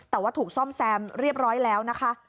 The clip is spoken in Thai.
แต่ว่าถูกซ่อมแซมเรียบร้อยแล้วนะคะ